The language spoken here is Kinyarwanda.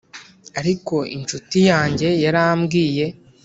ariko inshuti yanjye yarambwiye